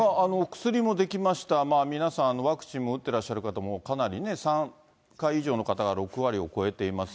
薬も出来ました、皆さん、ワクチンも打ってらっしゃる方もかなり、３回以上の方が６割を超えています。